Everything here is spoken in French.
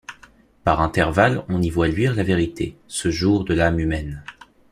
Par intervalles on y voit luire la vérité, ce jour de l’âme humaine.